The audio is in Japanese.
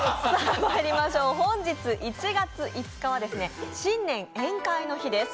本日１月５日は新年宴会の日です。